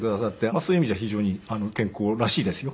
そういう意味じゃ非常に健康らしいですよ。